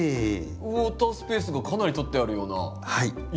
ウォータースペースがかなり取ってあるような印象なんですけど。